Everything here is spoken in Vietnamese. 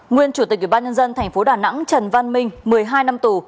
nguyên chủ tịch ubnd thành phố đà nẵng trần văn minh một mươi hai năm tù